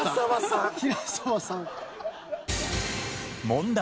問題。